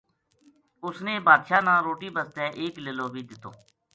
اُس نے بادشاہ نا روٹی بسطے ایک لیلو بی دیتو